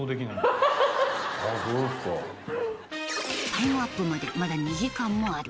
タイムアップまでまだ２時間もある